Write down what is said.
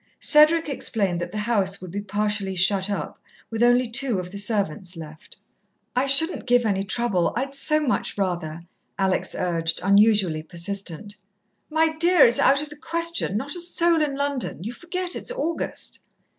Cedric explained that the house would be partially shut up, with only two of the servants left. "I shouldn't give any trouble I'd so much rather," Alex urged, unusually persistent. "My dear, it's out of the question. Not a soul in London you forget it's August."